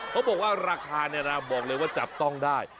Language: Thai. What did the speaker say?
เขาบอกว่าราคาเนี่ยนะบอกเลยว่าจับต้องได้